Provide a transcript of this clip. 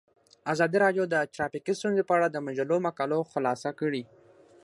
ازادي راډیو د ټرافیکي ستونزې په اړه د مجلو مقالو خلاصه کړې.